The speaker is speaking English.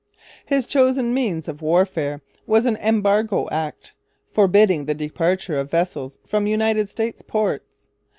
His chosen means of warfare was an Embargo Act, forbidding the departure of vessels from United States ports.